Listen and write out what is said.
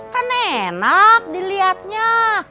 kan enak dilihatnya